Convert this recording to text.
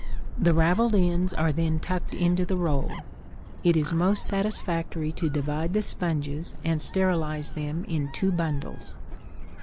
The ravelled ends are then tucked into the roll. It is most satisfactory to divide the sponges and sterilize them in two bundles.